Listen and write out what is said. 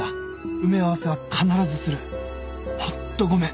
「埋め合わせは必ずする」「ほんとごめん」